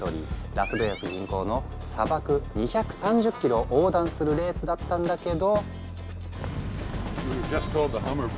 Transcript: ラスベガス近郊の砂漠２３０ｋｍを横断するレースだったんだけど。